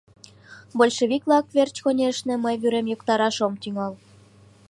Большевик-влак верч, конешне, мый вӱрем йоктараш ом тӱҥал.